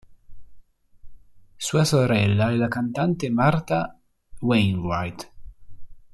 Sua sorella è la cantante Martha Wainwright.